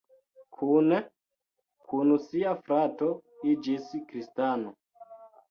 Kune kun sia frato iĝis kristano.